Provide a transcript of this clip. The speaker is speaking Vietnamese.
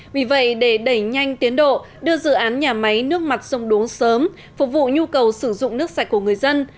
vì vậy để đẩy nhanh tiến độ đưa dự án nhà máy nước mặt sông đuống sớm phục vụ nhu cầu sử dụng nước sạch của người dân